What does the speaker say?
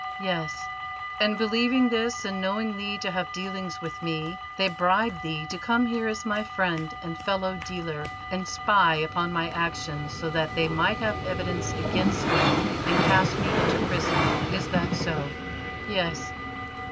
"Yes." "And, believing this, and knowing thee to have dealings with me, they bribed thee to come here as my friend and fellow dealer and spy upon my actions, so that they might have evidence against me and cast me into prison. Is that so?" "Yes."